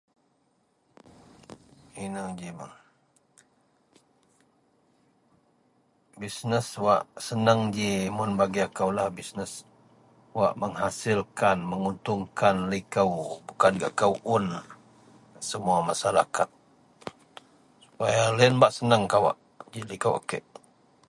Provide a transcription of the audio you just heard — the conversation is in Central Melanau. Inou ji bah. Bisnes wak seneng ji mun bagi akoulah bisnes wak menghasilkan, menguntungkan likou bukan gak kou un, semuwa masarakat sepaya loyen bak seneng kawa ji likou a kek.